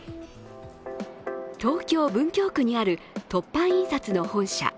東京・文京区にある凸版印刷の本社。